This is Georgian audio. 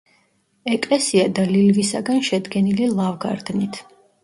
ეკლესია და ლილვისაგან შედგენილი ლავგარდნით.